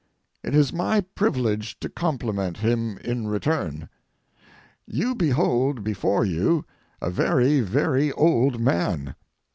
It is my privilege to compliment him in return. You behold before you a very, very old man.